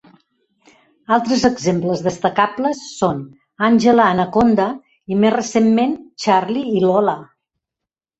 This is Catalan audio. Altres exemples destacables són "Àngela Anaconda" i, més recentment, "Charlie i Lola".